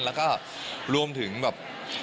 แล้วก็รวมถึงแบบ